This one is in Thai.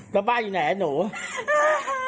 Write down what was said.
แล้วบ้านอยู่ไหนหนู